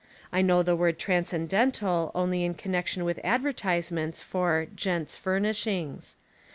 I know the word transcendental only in connexion with advertisements for "gents' furnishings."